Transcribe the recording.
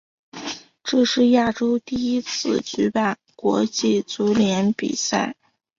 这是亚洲第一次举办国际足联比赛。